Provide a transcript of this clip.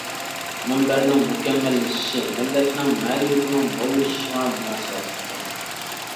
مۇنبەرنىڭ مۇكەممەللىشىشى مىللەتنىڭ مەنىۋىيىتىنىڭ موللىشىشىغا مۇناسىۋەتلىكتۇر!